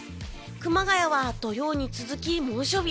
熊谷は、土曜に続き猛暑日。